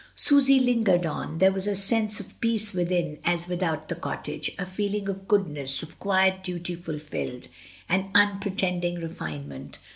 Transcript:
Susy lingered on. There was a sense of peace within as without the cottage, a feeling of goodness, of quiet duty fulfilled, and unpretending refinement.